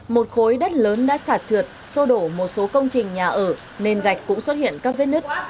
một khối đất lớn đã sạt trượt sô đổ một số công trình nhà ở nền gạch cũng xuất hiện các vết nứt